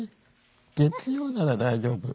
月曜なら大丈夫？